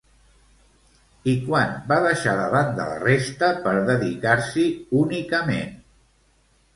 I quan va deixar de banda la resta per dedicar-s'hi únicament?